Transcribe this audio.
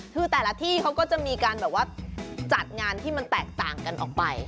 คือแต่ละที่เขาก็จะมีการแบบว่าจัดงานที่มันแตกต่างกันออกไป